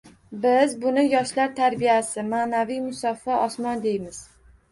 Biz buni yoshlar tarbiyasi, ma'naviyat, musaffo osmon deymiz